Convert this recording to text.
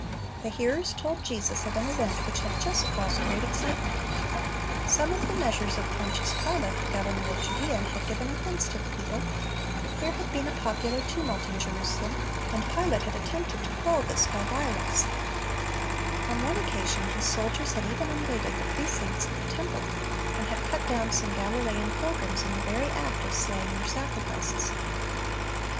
The hearers told Jesus of an event which had just caused great excitement. Some of the measures of Pontius Pilate, the governor of Judea, had given offense to the people. There had been (212) Based on Luke 13 : 1 9 'Luke 9: 56; John 3 : 17 "Spare It This Year Also" 213 a popular tumult in Jerusalem, and Pilate had attempted to quell this by \iolencc. On one occasion his soldiers had even invaded the precincts of the temple, and had cut down some Galilean pilgrims in the very act of slaying their sacrifices.